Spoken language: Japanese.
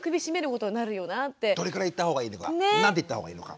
どれぐらい言った方がいいのか何て言った方がいいのか。